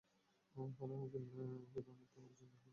পালানোর জন্য কীভাবে মিথ্যে বলছেন দেখলেন?